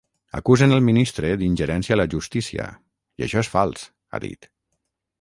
Acusen el ministre d’ingerència a la justícia, i això és fals, ha dit.